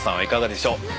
いかがでしょう？